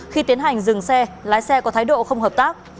khi tiến hành dừng xe lái xe có thái độ không hợp tác